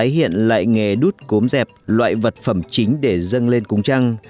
hiện lại nghề đút cốm dẹp loại vật phẩm chính để dâng lên cúng trăng